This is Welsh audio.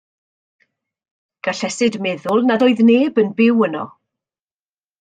Gallesid meddwl nad oedd neb yn byw yno.